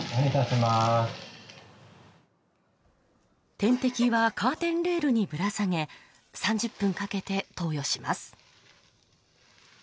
点滴はカーテンレールにぶら下げ、３０分かけて投与します。